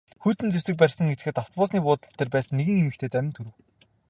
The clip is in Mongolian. Хүйтэн зэвсэг барьсан этгээд автобусны буудал дээр байсан нэгэн эмэгтэйн аминд хүрэв.